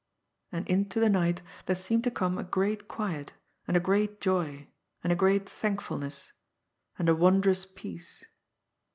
And into the night there seemed to come a great quiet, and a great joy, and a great thankfulness, and a wondrous peace.